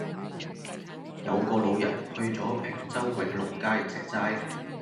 有個老人去左坪洲永隆街食齋